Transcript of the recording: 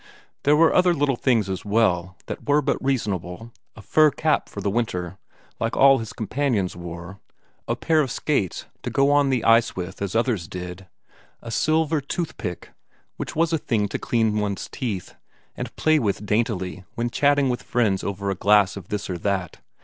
There were other little things as well that were but reasonable a fur cap for the winter, like all his companions wore, a pair of skates to go on the ice with as others did, a silver toothpick, which was a thing to clean one's teeth, and play with daintily when chatting with friends over a glass of this or that.